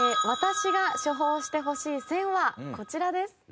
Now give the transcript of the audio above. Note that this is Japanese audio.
私が処方してほしい「選」はこちらです。